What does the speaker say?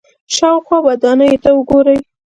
شاوخوا ودانیو ته وګورئ.